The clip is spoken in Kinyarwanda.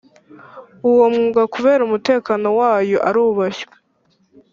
uwo mwugakubera umutekano wayo arubashywe